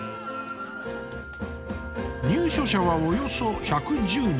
入所者はおよそ１１０人。